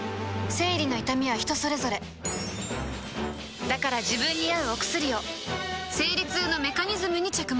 生理の痛みは人それぞれだから自分に合うお薬を生理痛のメカニズムに着目